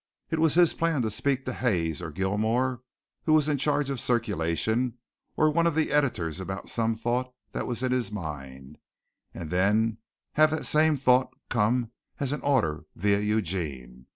It was his plan to speak to Hayes or Gillmore, who was in charge of circulation, or one of the editors about some thought that was in his mind and then have that same thought come as an order via Eugene.